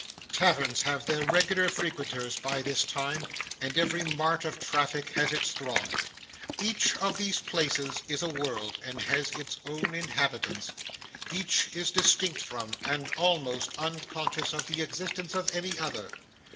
Taverns have their regular frequenters by this time, and every mart of traffic has its throng. Each of these places is a world, and has its own inhabitants; each is distinct from, and almost unconscious of the existence of any other.